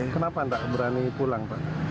kenapa anda berani pulang